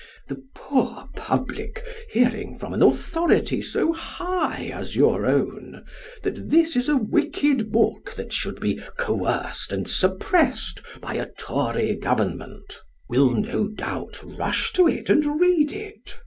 The poor public, hearing from an authority so high as your own, that this is a wicked book that should be coerced and suppressed by a Tory Government, will, no doubt, rush to it and read it.